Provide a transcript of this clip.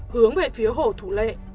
hướng về phía hồ thủ lệ